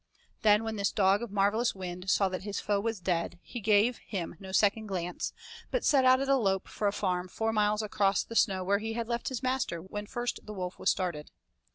Then, when this dog of marvellous wind saw that his foe was dead, he gave him no second glance, but set out at a lope for a farm four miles across the snow where he had left his master when first the wolf was started.